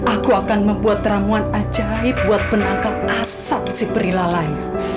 aku akan membuat ramuan ajaib buat penangkal asap si pri lalai